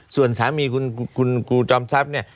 ส่วนสามีคุณครูจอมทรัพย์เนี่ย